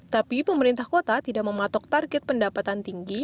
tapi pemerintah kota tidak mematok target pendapatan tinggi